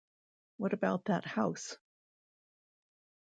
What about that House?